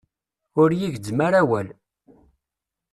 Ur yi-gezzem ara awal.